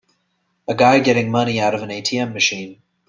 A guy getting money out of an ATM machine.